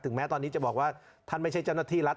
แม้ตอนนี้จะบอกว่าท่านไม่ใช่เจ้าหน้าที่รัฐ